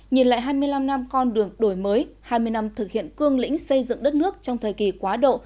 nhìn lại hai mươi năm năm con đường đổi mới hai mươi năm thực hiện cương lĩnh xây dựng đất nước trong thời kỳ quá độ